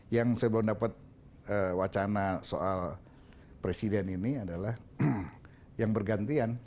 yang saya belum dapat wacana soal presiden ini adalah yang bergantian